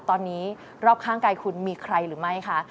ตอนนี้รอบข้างกายคุณมีใครหรือไม่คะ